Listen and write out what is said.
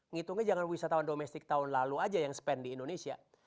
ngitungnya jangan wisatawan domestik tahun lalu aja yang spend di indonesia